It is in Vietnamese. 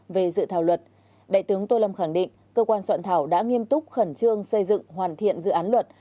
về dự thảo luật đại tướng tô lâm khẳng định cơ quan soạn thảo đã nghiêm túc khẩn trương xây dựng hoàn thiện dự án luật